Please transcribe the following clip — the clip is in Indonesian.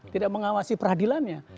tidak mengawasi peradilan nya